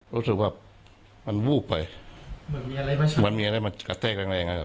รู้สึกว่ามันวูบไปเหมือนมีอะไรมามันมีอะไรมากระแทกแรงแรงนะครับ